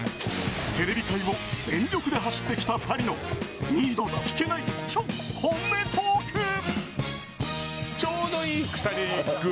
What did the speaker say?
テレビ界を全力で走ってきた２人の二度と聞けない超本音トーク。